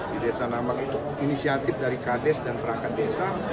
di desa nambang itu inisiatif dari kades dan perangkat desa